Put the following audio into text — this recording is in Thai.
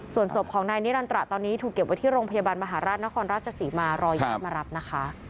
ส่วนศพของนายนิรันตระตอนนี้ถูกเก็บไว้ที่โรงพยาบาลมหาราชนครราชศรีมารอญาติมารับนะคะ